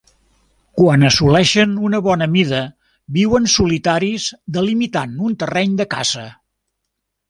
Quan assoleixen una bona mida viuen solitaris delimitant un terreny de caça.